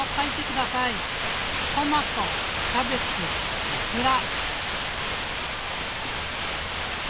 「トマト」「キャベツ」「オクラ」。